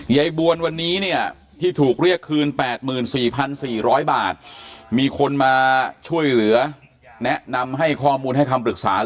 ยายบวนวันนี้เนี่ยที่ถูกเรียกคืน๘๔๔๐๐บาทมีคนมาช่วยเหลือแนะนำให้ข้อมูลให้คำปรึกษา